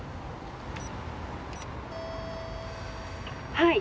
「はい」